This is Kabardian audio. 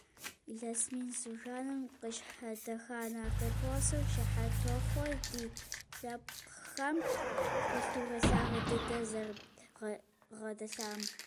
Илъэс мин зыбжанэм къыщхьэдэха нарт эпосыр щыхьэт тохъуэ ди лъэпкъхэм культурэ лъагэ дыдэ зэрабгъэдэлъам.